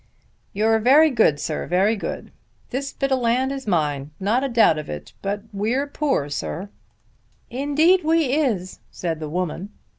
"You're very good, sir; very good. This bit of land is mine; not a doubt of it; but we're poor, sir." "Indeed we is," said the woman.